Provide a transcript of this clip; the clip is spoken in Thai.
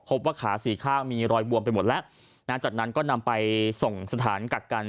ขาสี่ข้างมีรอยบวมไปหมดแล้วนะจากนั้นก็นำไปส่งสถานกักกัน